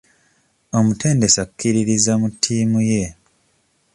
Omutendesi akkiririza mu ttiimu ye.